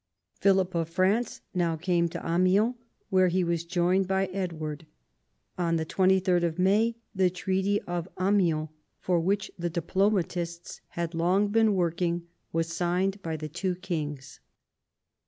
Philip of France now came to Amiens, where he was joined by Edward. On 23rd May the Treaty of Amiens, for whicli the diplomatists had long been working, was signed by the two kings.